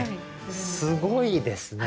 すごいですね。